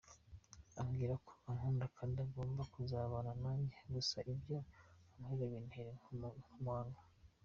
Ambwira ko ankunda kandi agomba kuzabana nanjye gusa ibyo ankorera bintera inkomanga.